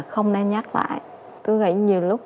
không nên nhắc lại tôi nghĩ nhiều lúc